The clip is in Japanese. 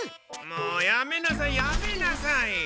もうやめなさいやめなさい。